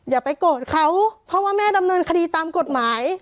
อย่าไปโกรธเขาเพราะว่าแม่ดำเนินคดีตามกฎหมาย